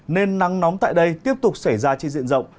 nên nắng nóng tại đây tiếp tục xảy ra trên diện rộng